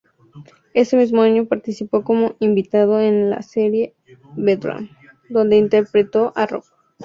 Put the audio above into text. Ese mismo año participó como invitado en la serie "Bedlam", donde interpretó a Rob.